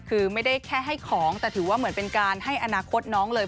คือไม่ได้แค่ให้ของแต่ถือว่าเหมือนเป็นการให้อนาคตน้องเลย